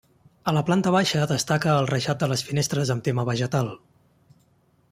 A la planta baixa destaca el reixat de les finestres amb tema vegetal.